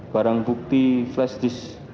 barang bukti flash disk dua belas gb